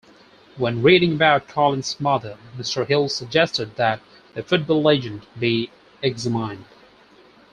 When reading about Colin's mother, Mr Hill suggested that the football legend be examined.